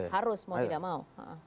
harus mau tidak mau